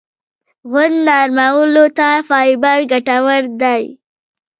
غول نرمولو ته فایبر ګټور دی.